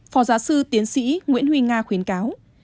phó giáo sư tiến sĩ nguyễn huy nga khuyến cáo